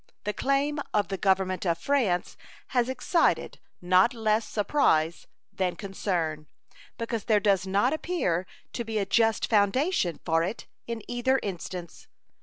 The claim of the Government of France has excited not less surprise than concern, because there does not appear to be a just foundation for it in either instance.